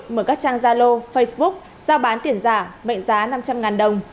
mở các trang gia lô facebook giao bán tiền giả mệnh giá năm trăm linh đồng